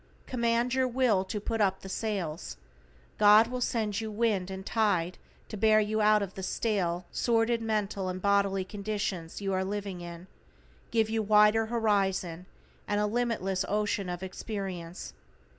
Command your Will to put up the sails, God will send you wind and tide to bear you out of the stale, sordid mental and bodily conditions you are living in, give you wider horizon, and a limitless ocean of experience.